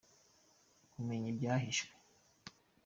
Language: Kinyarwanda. kumenya ibyahishwe